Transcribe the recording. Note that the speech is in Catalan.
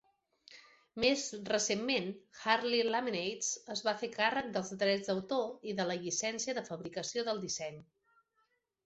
Més recentment, Hartley Laminates es va fer càrrec dels drets d'autor i de la llicència de fabricació del disseny.